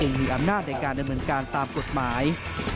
มีอำนาจในการดำเนินการตามกฎหมาย